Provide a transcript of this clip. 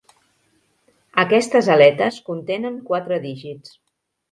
Aquestes aletes contenen quatre dígits.